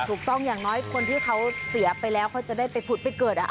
อย่างน้อยคนที่เขาเสียไปแล้วเขาจะได้ไปผุดไปเกิด